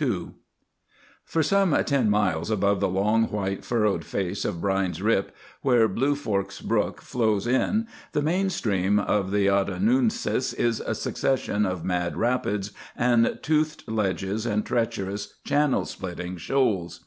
II For some ten miles above the long, white, furrowed face of Brine's Rip, where Blue Forks Brook flows in, the main stream of the Ottanoonsis is a succession of mad rapids and toothed ledges and treacherous, channel splitting shoals.